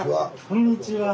こんにちは。